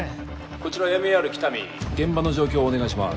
こちらＭＥＲ喜多見現場の状況をお願いします